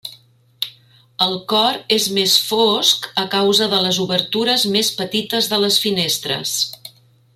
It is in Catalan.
El cor és més fosc a causa de les obertures més petites de les finestres.